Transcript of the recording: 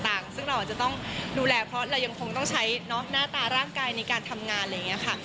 เพราะศักดิ์เราอาจจะต้องดูแลเพราะเรายังคงต้องใช้หน้าตาร่างกายในการทำงานอะไรเนี่ยค่ะ